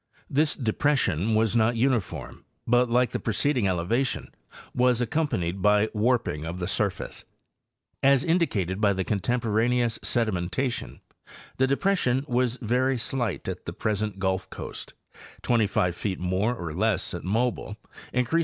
This de pression was not uniform, but lke the preceding elevation was accompanied. by warping of the surface. As indicated by the contemporaneous sedimentation, the depression was very slight at the present Gulf coast, 25 feet more or less at Mobile, increas